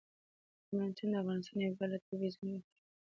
هلمند سیند د افغانستان یوه بله طبیعي ځانګړتیا ده.